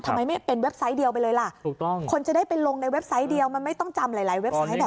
ทำไมไม่เป็นเว็บไซต์เดียวไปเลยล่ะถูกต้องคนจะได้ไปลงในเว็บไซต์เดียวมันไม่ต้องจำหลายหลายเว็บไซต์แบบ